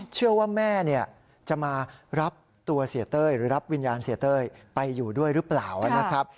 เชื่อว่าแม่จะมารับตัวเสียเต้ยหรือรับวิญญาณเสียเต้ยไปอยู่ด้วยหรือเปล่านะครับ